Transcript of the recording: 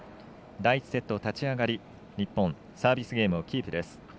第１セット立ち上がり、日本サービスゲームをキープです。